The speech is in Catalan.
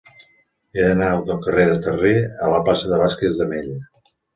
He d'anar del carrer de Terré a la plaça de Vázquez de Mella.